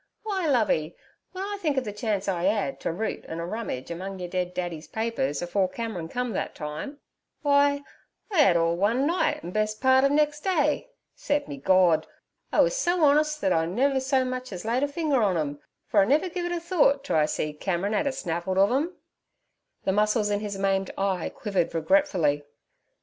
W'y, Lovey, w'en I think ov the chance I 'ad t' root an' a rummage among yer dead daddy's papers afore Cameron come thet time—w'y, I 'ad all one night, an' best part ov nex' day. Se'p me Gord! I wus so honest thet I never so much ez laid a fing er on 'em, fer I never giv' it a thort t' I see Cameron 'ad a snavelled ov 'em.' The muscles in his maimed eye quivered regretfully.